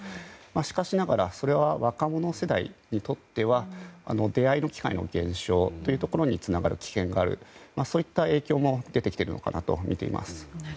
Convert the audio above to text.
しかしながらそれは若者世代にとっては出会いの機会の減少につながる危険があるという影響も出てきているとみています。